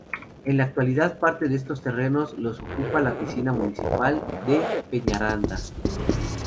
En la actualidad parte de esos terrenos los ocupa la piscina municipal de Peñaranda.